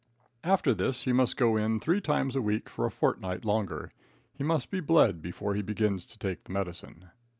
After this he must go in three times a week for a fortnight longer. He must be bled before he begins to take the medicine."